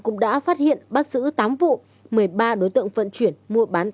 cũng đã phát hiện bắt giữ tám vụ một mươi ba đối tượng vận chuyển mua bán